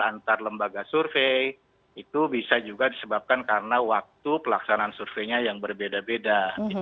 antar lembaga survei itu bisa juga disebabkan karena waktu pelaksanaan surveinya yang berbeda beda